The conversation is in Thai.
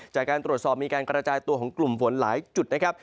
จากการตรวจสอบมีการกระจายตัวของกลุ่มฝนหลายจุดนะครับ